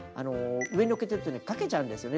上にのっけてるとかけちゃうんですよね。